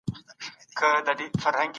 شکر د نعمتونو د زیاتوالي سبب دی.